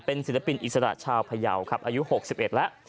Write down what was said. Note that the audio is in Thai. ศิลปินอิสระชาวพยาวครับอายุ๖๑แล้ว